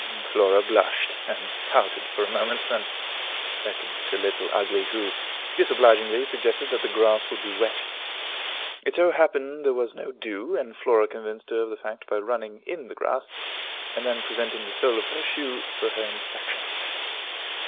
Flora blushed, and pouted for a moment, then beckoned to Little Ugly, who disobligingly suggested that the grass would be wet. It so happened there was no dew, and Flora convinced her of the fact by running in the grass, and then presenting the sole of her shoe for her inspection.